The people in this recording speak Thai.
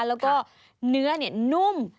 แล้วก็เนื้อนุ่ม